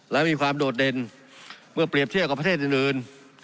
และมีความโดดเด่นเมื่อเปรียบเทียบกับประเทศอื่น